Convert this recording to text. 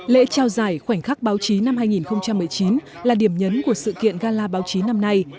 lễ trao giải khoảnh khắc báo chí năm hai nghìn một mươi chín là điểm nhấn của sự kiện gala báo chí năm nay